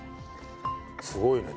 すごいね。